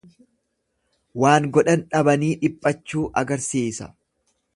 Waan godhan dhabanii dhiphachuu agarsiisa.